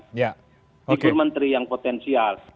figur menteri yang potensial